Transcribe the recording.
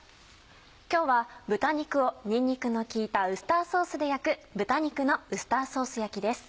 今日は豚肉をにんにくの効いたウスターソースで焼く「豚肉のウスターソース焼き」です。